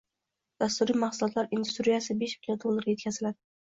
Dasturiy mahsulotlar industriyasi besh million dollarga yetkaziladi.